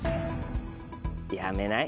辞めない？